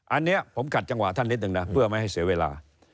อันนี้ผมขัดจังหวะท่านนิดนึงนะเพื่อไม่ให้เสียเวลา